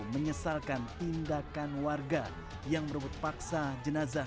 menyesalkan tindakan warga yang merebut paksa jenazah